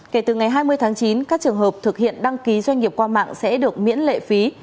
kể từ ngày hai mươi tháng chín các trường hợp thực hiện đăng ký doanh nghiệp qua mạng sẽ được miễn lệ phí